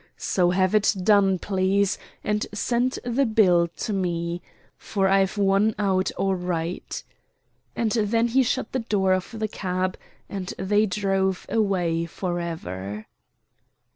So have it done, please, and send the bill to me. For I've won out all right." And then he shut the door of the cab, and they drove away forever.